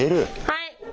はい。